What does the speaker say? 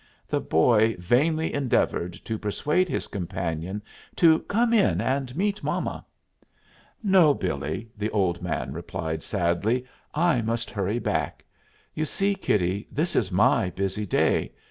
The boy vainly endeavored to persuade his companion to "come in and meet mama." "No, Billee," the old man replied sadly, "I must hurry back. You see, kiddie, this is my busy day.